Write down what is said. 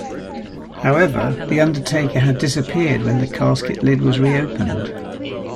However, The Undertaker had disappeared when the casket lid was reopened.